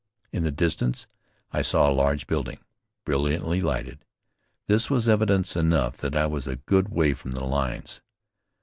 In the distance I saw a large building, brilliantly lighted. This was evidence enough that I was a good way from the lines.